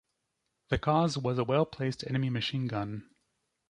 The cause was a well placed enemy machine gun.